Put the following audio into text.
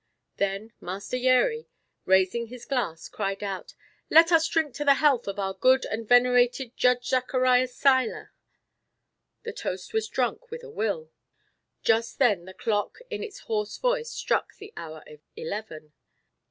Then Master Yeri, raising his glass, cried out: "Let us drink to the health of our good and venerated Judge Zacharias Seiler!" The toast was drunk with a will. Just then the clock, in its hoarse voice, struck the hour of eleven.